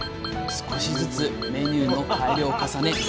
少しずつメニューの改良を重ね